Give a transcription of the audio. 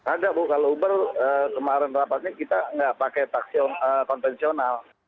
ada bu kalau uber kemarin rapatnya kita nggak pakai taksi konvensional